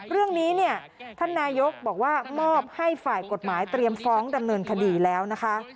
เรื่องนี้เนี่ยท่านนายกบอกว่ามอบให้ฝ่ายกฎหมายเตรียมฟ้องดำเนินคดีแล้วนะคะ